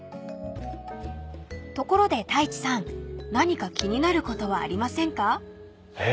［ところで太一さん何か気になることはありませんか？］え？